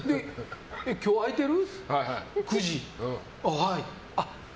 今日空いてる？